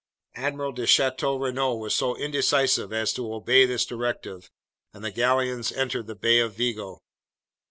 "Admiral de Chateau Renault was so indecisive as to obey this directive, and the galleons entered the Bay of Vigo.